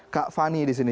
kak fani di sini